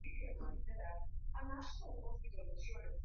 Aiegesha gari sehemu ya kuegeshea magari ya jengo hilo